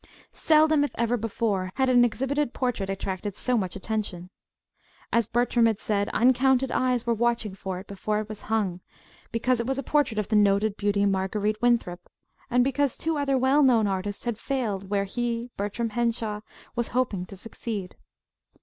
Seldom, if ever before, had an exhibited portrait attracted so much attention. As Bertram had said, uncounted eyes were watching for it before it was hung, because it was a portrait of the noted beauty, Marguerite Winthrop, and because two other well known artists had failed where he, Bertram Henshaw, was hoping to succeed.